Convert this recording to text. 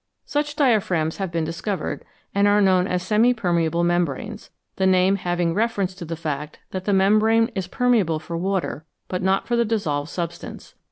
Such diaphragms have been discovered, and are known as " semi permeable membranes," the name having reference to the fact that the membrane is permeable for water, but not for the dissolved substance.